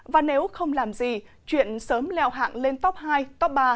và nếu không làm gì chuyện sớm leo hạng lên top hai top ba